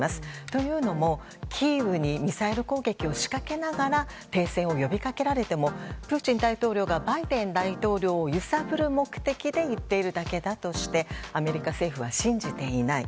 というのもキーウにミサイル攻撃を仕掛けながら停戦を呼びかけられてもプーチン大統領がバイデン大統領を揺さぶる目的で言っているだけだとしてアメリカ政府は信じていない。